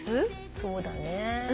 そうだね。